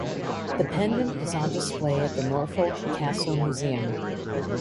The pendant is on display at the Norfolk Castle Museum.